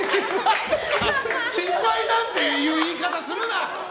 失敗っていう言い方するな！